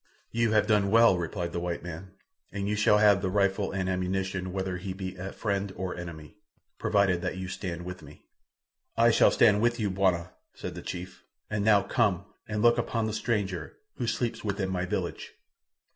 "You have done well," replied the white man, "and you shall have the rifle and ammunition whether he be a friend or enemy, provided that you stand with me." "I shall stand with you, bwana," said the chief, "and now come and look upon the stranger, who sleeps within my village."